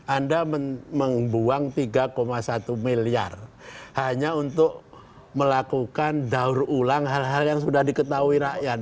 anda membuang tiga satu miliar hanya untuk melakukan daur ulang hal hal yang sudah diketahui rakyat